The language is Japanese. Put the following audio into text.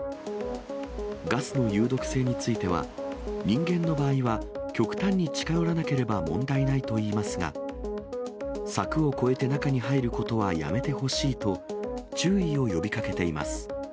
ガスの有毒性については、人間の場合は、極端に近寄らなければ問題ないといいますが、柵を越えて中に入ることはやめてほしいと、注意を呼びかけています。